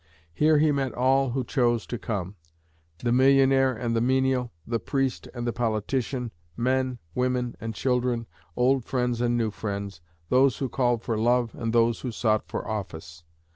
Here he met all who chose to come "the millionaire and the menial, the priest and the politician, men, women, and children, old friends and new friends, those who called for love and those who sought for office.